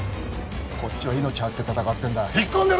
こっちは命張って戦ってんだ引っ込んでろ！